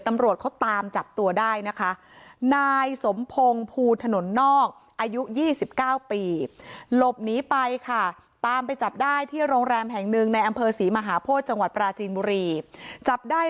ตำรวจเขาตามจับตัวได้นะคะนายสมพงศ์ภูถนนอกอายุ๒๙ปี